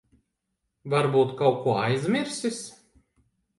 Varbūt kaut ko aizmirsis.